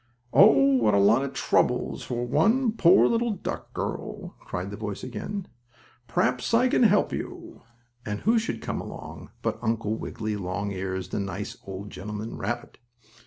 "Oh, what a lot of troubles for one poor little duck girl!" cried the voice again. "Perhaps, I can help you," and who should come along but Uncle Wiggily Longears, the nice old gentleman rabbit.